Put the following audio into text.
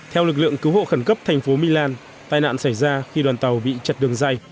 theo lực lượng cứu hộ khẩn cấp thành phố milan tai nạn xảy ra khi đoàn tàu bị chặt đường dây